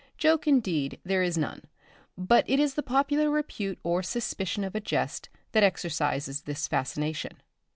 Joke indeed there is none, but it is the popular repute or suspicion of a jest that exercises this fascination.